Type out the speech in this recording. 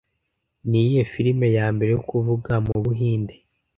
Niyihe filime yambere yo kuvuga mubuhinde